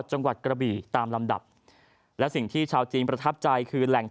จังหวัดกระบีตามลำดับและสิ่งที่ชาวจีนประทับใจคือแหล่ง